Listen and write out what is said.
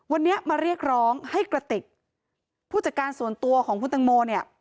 วันนี้มาเรียกร้องให้กระติกผู้จัดการส่วนตัวของคุณตังโมเนี่ย